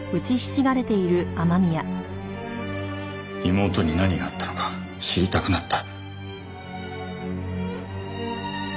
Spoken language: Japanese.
妹に何があったのか知りたくなった。